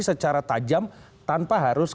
secara tajam tanpa harus